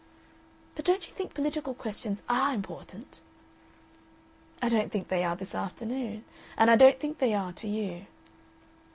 "But don't you think political questions ARE important?" "I don't think they are this afternoon, and I don't think they are to you."